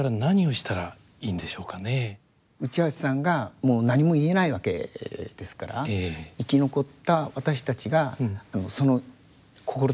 内橋さんがもう何も言えないわけですから生き残った私たちがその志を引き継ぐとすればですね